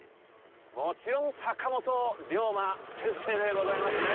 もちろん、坂本龍馬先生でございますね。